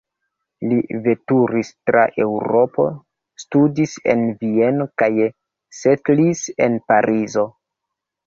Li veturis tra Eŭropo, studis en Vieno kaj setlis en Parizo.